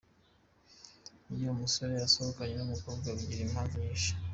Iyo umusore asohokanye n’umukobwa bigira impamvu nyinshi.